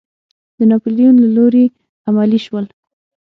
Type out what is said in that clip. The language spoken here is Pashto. د ناپیلیون له لوري عملي شول.